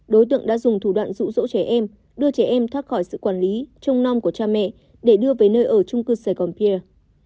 đối tượng đã dùng thủ đoạn rụ rỗ trẻ em đưa trẻ em thoát khỏi sự quản lý trông non của cha mẹ để đưa về nơi ở trung cư sài gòn pia